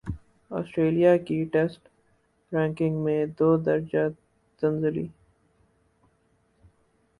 Australia کی test ranking میں دو درجہ تنزلی